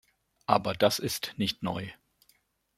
Aber das ist nicht neu.